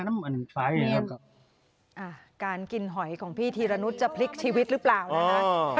การกินหอยของพี่ธีรณุทธ์จะพลิกชีวิตรึเปล่านะคะ